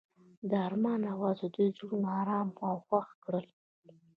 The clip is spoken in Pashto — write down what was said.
د آرمان اواز د دوی زړونه ارامه او خوښ کړل.